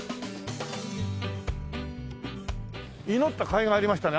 祈ったかいがありましたね。